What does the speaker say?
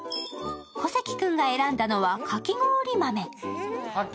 小関君が選んだのは、かき氷豆。